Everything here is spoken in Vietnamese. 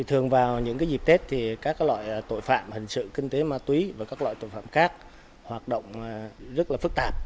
thường vào những dịp tết thì các loại tội phạm hình sự kinh tế ma túy và các loại tội phạm khác hoạt động rất là phức tạp